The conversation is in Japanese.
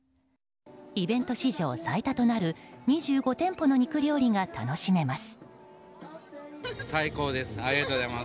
イベント史上最多となる２５店舗の肉料理が楽しめます。